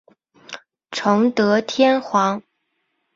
崇德天皇。